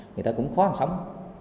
người ta cũng khó sống